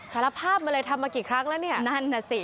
สารภาพมันเลยทำมากี่ครั้งแล้วนี่